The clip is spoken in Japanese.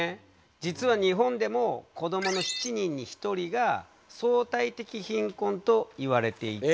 実は日本でも子どもの７人に１人が相対的貧困といわれていて。